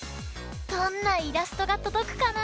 どんなイラストがとどくかな？